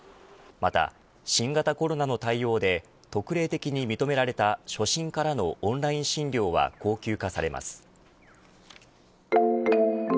また、新型コロナの対応で特例的に認められた初診からのオンライン診療は恒久化されます。